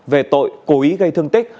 về tội cố ý gây thương tích